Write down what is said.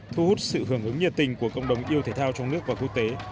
thu hút sự hưởng ứng nhiệt tình của cộng đồng yêu thể thao trong nước và quốc tế